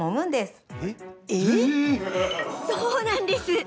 そうなんです。